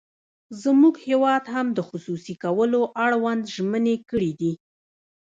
زموږ هېواد هم د خصوصي کولو اړوند ژمنې کړې دي.